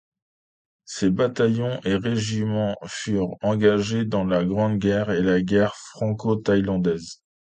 Ces bataillons et régiments furent engagés dans la Grande Guerre et la guerre franco-thailandaise.